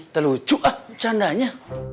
terlucuk lah bercanda aja